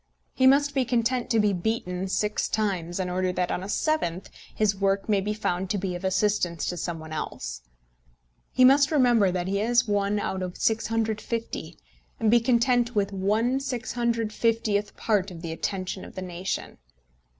He must be content to be beaten six times in order that, on a seventh, his work may be found to be of assistance to some one else. He must remember that he is one out of 650, and be content with 1 650th part of the attention of the nation.